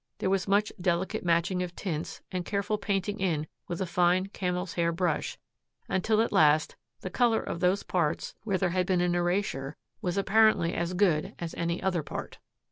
There was much delicate matching of tints and careful painting in with a fine camel's hair brush, until at last the color of those parts where there had been an erasure was apparently as good as any other part.